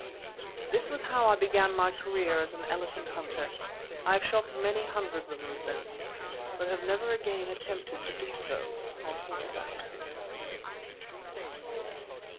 This was how I began my career as an elephant hunter. I have shot many hundreds of them since, but have never again attempted to do so on horseback.